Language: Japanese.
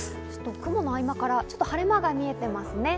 雲の合間から晴れ間が見えてますね。